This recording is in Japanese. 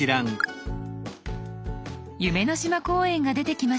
「夢の島公園」が出てきました。